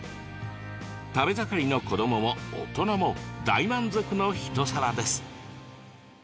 食べ盛りの子どもも大人も大満足の一皿です。